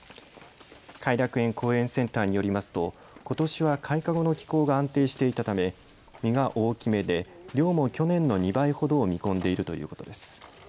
偕楽園公園センターによりますとことしは開花後の気候が安定していたため実が大きめで量も去年の２倍ほどを見込んでいるということです。